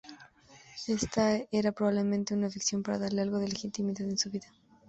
Esta era probablemente una ficción para darle algo de legitimidad en su vida.